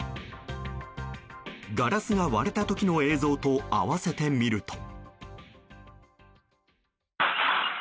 ガラスが割れた時の映像と併せて見ると。